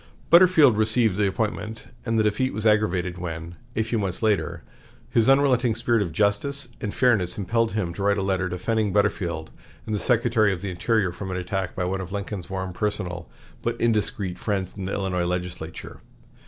Butterfield received the appointment, and the defeat was aggravated when, a few months later, his unrelenting spirit of justice and fairness impelled him to write a letter defending Butterfield and the Secretary of the Interior from an attack by one of Lincoln's warm personal but indiscreet friends in the Illinois legislature.